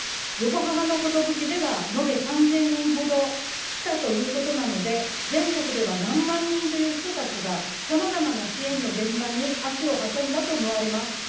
横浜の寿では延べ３０００人ほど来たということなので、全国では何万人という人たちがさまざまな支援の現場に足を運んだと思われます。